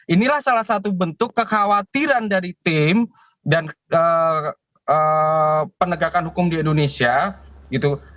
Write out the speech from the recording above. inilah salah satu bentuk kekhawatiran dari tim dan penegakan hukum di indonesia gitu